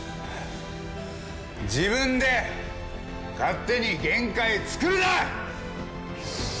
自分で勝手に限界作るな！